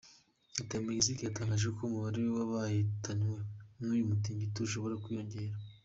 Leta ya Mexique yatangaje ko umubare w’ abahitanywe n’ uyu mungito ushobora kwiyongera.